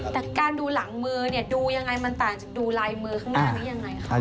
แต่การดูหลังมือเนี่ยดูยังไงมันต่างจากดูลายมือข้างหน้านี้ยังไงครับ